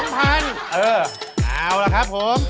๒๐๐๐บาทเออเอาละครับผม